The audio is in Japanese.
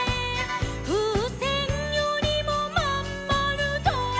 「ふうせんよりもまんまるだ」